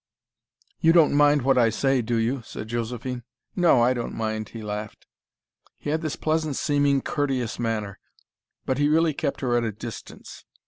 "You don't mind what I say, do you?" said Josephine. "No I don't mind," he laughed. He had this pleasant seeming courteous manner. But he really kept her at a distance.